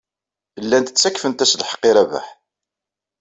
Llant ttakfent-as lḥeqq i Rabaḥ.